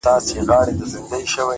هره لاسته راوړنه له ژمنتیا پیاوړې کېږي؛